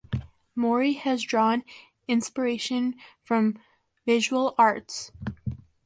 Mori has drawn inspiration from visual arts.